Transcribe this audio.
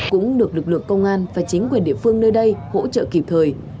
cũng được lực lượng công an và chính quyền địa phương nơi đây hỗ trợ kịp thời